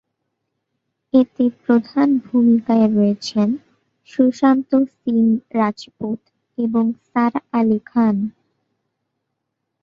এতে প্রধান ভূমিকায় রয়েছেন সুশান্ত সিং রাজপুত এবং সারা আলি খান।